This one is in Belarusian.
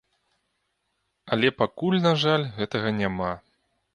Але пакуль, на жаль, гэтага няма.